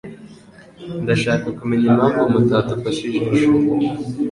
Ndashaka kumenya impamvu mutadufashije ejo.